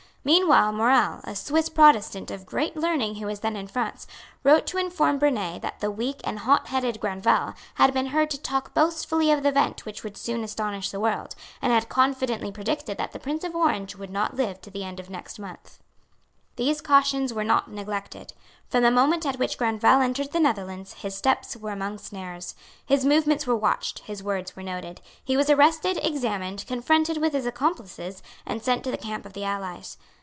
Meanwhile Morel, a Swiss Protestant of great learning who was then in France, wrote to inform Burnet that the weak and hotheaded Grandval had been heard to talk boastfully of the event which would soon astonish the world, and had confidently predicted that the Prince of Orange would not live to the end of the next month. These cautions were not neglected. From the moment at which Grandval entered the Netherlands, his steps were among snares. His movements were watched; his words were noted; he was arrested, examined, confronted with his accomplices, and sent to the camp of the allies.